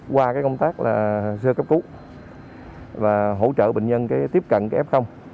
qua công tác là sơ cấp cứu và hỗ trợ bệnh nhân tiếp cận cái f